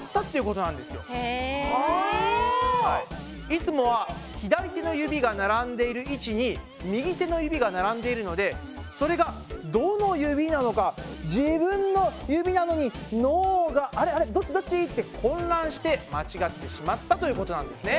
いつもは左手の指が並んでいる位置に右手の指が並んでいるのでそれがどの指なのか自分の指なのに脳が「あれあれ？どっちどっち？」って混乱して間違ってしまったということなんですね。